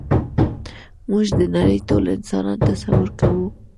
موږ د نړۍ ټول انسانان تصور کوو.